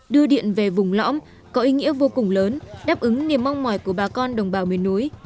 đưa điện về vùng lõm có ý nghĩa vô cùng lớn đáp ứng niềm mong mỏi của bà con đồng bào miền núi